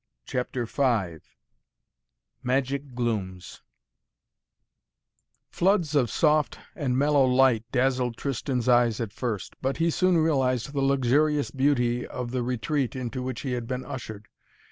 CHAPTER V MAGIC GLOOMS Floods of soft and mellow light dazzled Tristan's eyes at first, but he soon realized the luxurious beauty of the retreat into which he had been ushered.